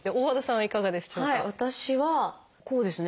はい私はこうですね。